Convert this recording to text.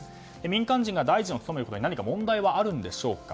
民間人が大臣を務めることに何か問題はあるのでしょうか。